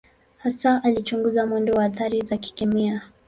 Hasa alichunguza mwendo wa athari za kikemia.